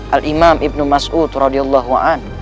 alimam ibn masud ra